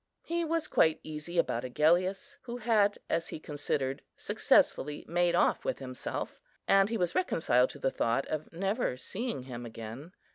He was quite easy about Agellius, who had, as he considered, successfully made off with himself, and he was reconciled to the thought of never seeing him again.